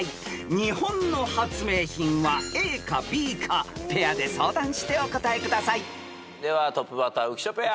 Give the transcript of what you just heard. ［日本の発明品はＡかＢかペアで相談してお答えください］ではトップバッター浮所ペア。